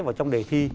vào trong đề thi